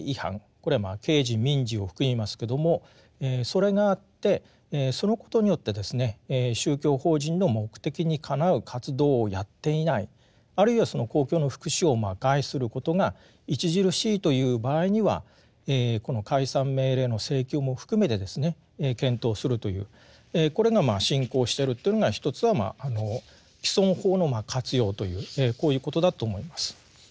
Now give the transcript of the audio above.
これは刑事・民事を含みますけどもそれがあってそのことによってですね宗教法人の目的にかなう活動をやっていないあるいはその公共の福祉を害することが著しいという場合にはこの解散命令の請求も含めてですね検討するというこれが進行してるというのが一つは既存法の活用というこういうことだと思います。